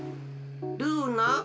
ルーナ？